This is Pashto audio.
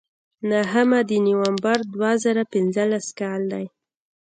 نهمه د نومبر دوه زره پینځلس کال دی.